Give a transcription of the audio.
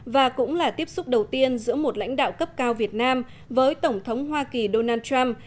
và cũng là tiếp xúc đầu tiên giữa một lãnh đạo cấp cao việt nam với tổng thống hoa kỳ donald trump